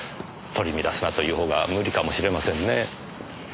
取り乱すなというほうが無理かもしれませんねえ。